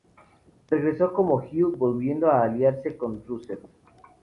Regresó como heel, volviendo a aliarse con Rusev.